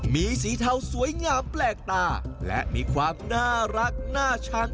มีสีเทาสวยงามแปลกตาและมีความน่ารักน่าชัง